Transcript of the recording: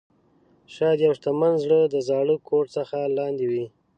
شاید یو شتمن زړه د زاړه کوټ څخه لاندې وي.